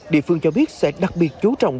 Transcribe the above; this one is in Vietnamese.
địa phương cho biết sẽ đặc biệt chú trọng